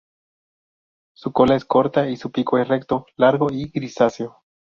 Su cola es corta y su pico es recto, largo y grisáceo.